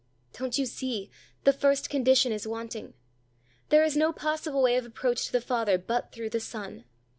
Don't you see, the first condition is wanting. There is no possible way of approach to the Father but through the Son.